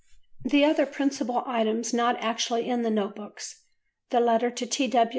The other principal items not actually in the Note Books, the letter to T.